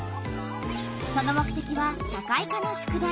その目てきは社会科の宿題。